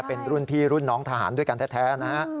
เป็นรุ่นพี่รุ่นน้องทหารด้วยกันแท้นะฮะ